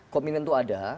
komitmen itu ada